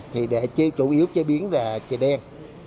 thì để chủ yếu chế biến là trà đen